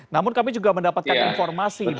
namun kami juga mendapatkan informasi